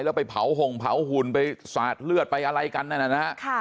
แล้วไปเผาโหงเผาหุ่นไปสาดเลือดไปอะไรกัน